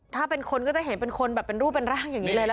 ถ้าเป็นคนก็จะเห็นเป็นคนแบบเป็นรูปเป็นร่างอย่างนี้เลยล่ะ